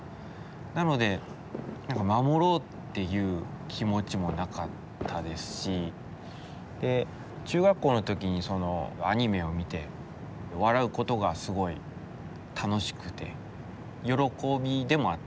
なので守ろうっていう気持ちもなかったですし中学校の時にアニメを見て笑う事がすごい楽しくて喜びでもあったんですよ。